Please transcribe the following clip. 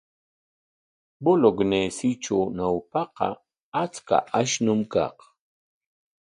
Bolegnesitraw ñawpaqa achka ashnum kaq.